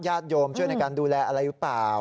โยมช่วยในการดูแลอะไรหรือเปล่า